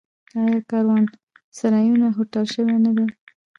آیا کاروانسرایونه هوټل شوي نه دي؟